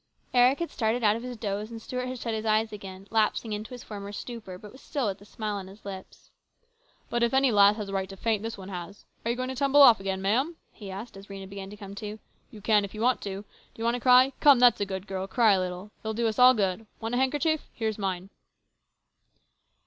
Eric had started out of his doze and Stuart had shut his eyes again, lapsing into his former stupor, but still with a smile on his lips. " But if any lass has a right to faint, this one has. Are you going to tumble off again, ma'am ?" he asked as Rhena began to come to. " You can, if you want to. Do you want to cry ? Come, that's a good girl ! Cry a little. It'll do us all good. Want a handkerchief? Here's mine." THE CONFERENCE.